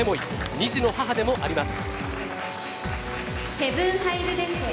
２児の母でもあります。